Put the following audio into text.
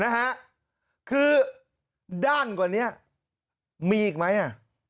นะฮะคือด้านกว่านี้มีอีกไหมอ่ะ